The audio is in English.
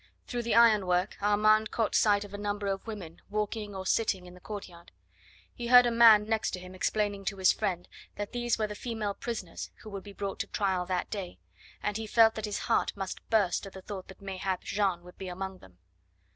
Through the ironwork Armand caught sight of a number of women walking or sitting in the courtyard. He heard a man next to him explaining to his friend that these were the female prisoners who would be brought to trial that day, and he felt that his heart must burst at the thought that mayhap Jeanne would be among them.